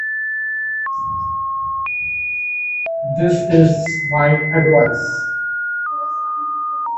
This is my advice.